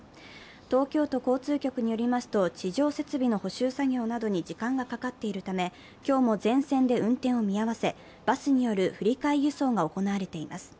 東京都交通局によりますと地上設備の補修作業などに時間がかかっているため今日も全線で運転を見合わせバスによる振り替え輸送が行われています。